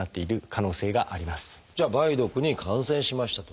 じゃあ梅毒に感染しましたと。